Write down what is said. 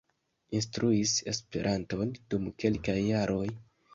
Instruis Esperanton dum kelkaj jaroj.